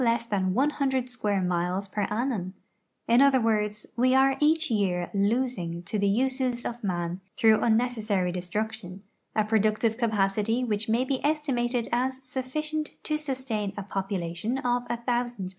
ss than one hundred s<puire Jiiiles ])cr annum ; in other words, we are each year losing to the uses of man, through unnecessary destruction, a productive capacity which may he estimated as sudicient to sustain a population of a thousand people.